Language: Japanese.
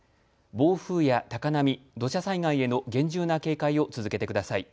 暴風や高波、土砂災害への厳重な警戒を続けてください。